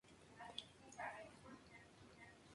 King puso el nombre de Lucille a sus guitarras.